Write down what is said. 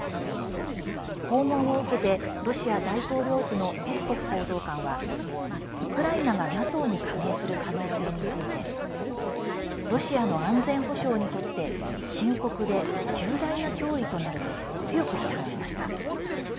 訪問を受けてロシア大統領府のペスコフ報道官はウクライナがＮＡＴＯに加盟する可能性についてロシアの安全保障にとって深刻で重大な脅威となると強く批判しました。